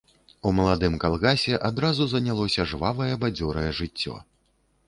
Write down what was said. У маладым калгасе адразу занялося жвавае, бадзёрае жыццё.